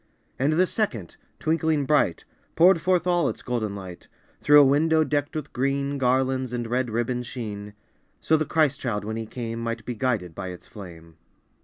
And the second, twinkling bright, Poured forth all its golden light Through a window decked with green Garlands and red ribbons' sheen, So the Christ child when He came Might be guided by its flame.